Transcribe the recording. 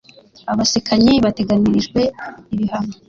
abasekanyi bateganirijwe ibihano